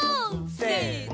せの。